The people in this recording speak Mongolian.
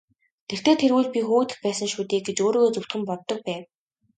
Тэртэй тэргүй л би хөөгдөх байсан шүү дээ гэж өөрийгөө зөвтгөн боддог байв.